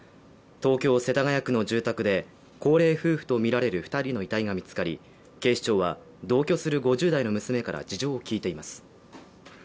東京・世田谷区の住宅で高齢夫婦とみられる２人の遺体が見つかり、警視庁は同居する５０代の娘から事情を聴いています。